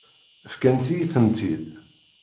Fkant-iyi-tent-id.